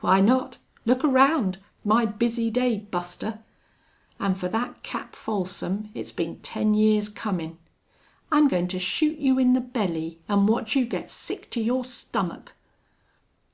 "Why not? Look around! My busy day, Buster!... An' for that Cap Folsom it's been ten years comin'.... I'm goin' to shoot you in the belly an' watch you get sick to your stomach!"